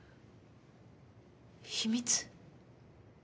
秘密？